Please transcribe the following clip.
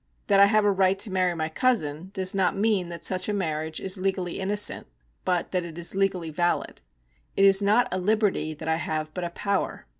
That I have a right to marry my cousin does not mean that such a mar riage is legally innocent, but that it is legally valid. It is not a liberty that I have, but a power.